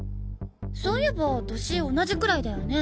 そういえば歳同じくらいだよね？